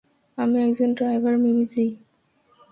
আমি একজন ড্রাইভার, মিমি জি!